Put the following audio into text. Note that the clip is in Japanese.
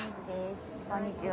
こんにちは。